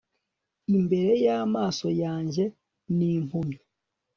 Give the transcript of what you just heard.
Imbere yamaso yanjye ni impumyi